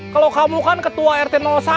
kalau kamu kan ketua rt satu